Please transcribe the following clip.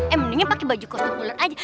eh mendingnya pakai baju kotor ular aja